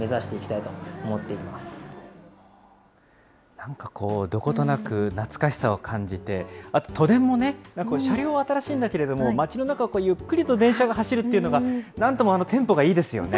なんかこう、どことなく懐かしさを感じて、あと都電もね、車両が新しいんだけども、街の中をゆっくりと電車が走るっていうのが、なんともテンポがいいですよね。